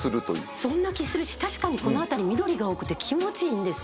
そんな気するし確かにこの辺り緑が多くて気持ちいいんですよ。